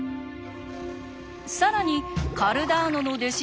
更にカルダーノの弟子